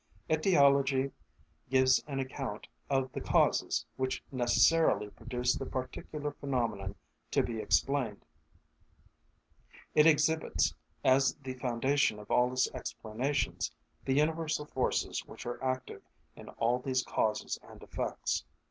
Etiology gives an account of the causes which necessarily produce the particular phenomenon to be explained. It exhibits, as the foundation of all its explanations, the universal forces which are active in all these causes and effects.